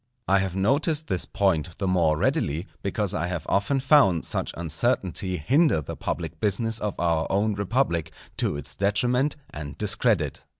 I have noticed this point the more readily, because I have often found such uncertainty hinder the public business of our own republic, to its detriment and discredit.